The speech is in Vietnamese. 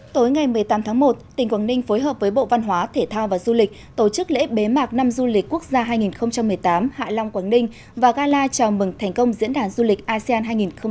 tối ngày một mươi tám tháng một tỉnh quảng ninh phối hợp với bộ văn hóa thể thao và du lịch tổ chức lễ bế mạc năm du lịch quốc gia hai nghìn một mươi tám hạ long quảng ninh và gala chào mừng thành công diễn đàn du lịch asean hai nghìn một mươi chín